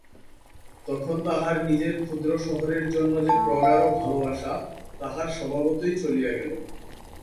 তখন তাহার নিজের ক্ষুদ্র শহরের জন্য যে প্রগাঢ় ভালবাসা, তাহা স্বভাবতই চলিয়া গেল।